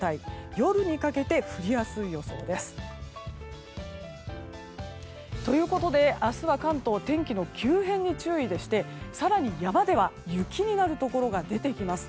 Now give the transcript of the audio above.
夜にかけて降りやすい予想です。ということで明日は関東天気の急変に注意でして、更に山では雪になるところが出てきます。